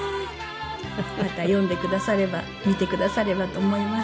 また読んでくだされば見てくださればと思います。